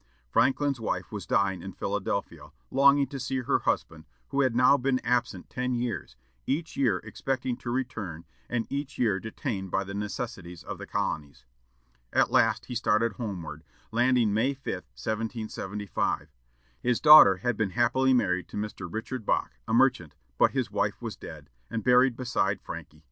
Franklin's wife was dying in Philadelphia, longing to see her husband, who had now been absent ten years, each year expecting to return, and each year detained by the necessities of the colonies. At last he started homeward, landing May 5, 1775. His daughter had been happily married to Mr. Richard Bache, a merchant, but his wife was dead, and buried beside Franky.